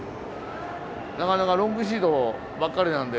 なかなかロングシートばっかりなんで。